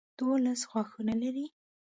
دولس ښاخونه لري.